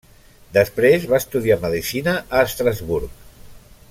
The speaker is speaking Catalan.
Després va estudiar medicina a Estrasburg.